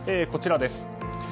こちらです。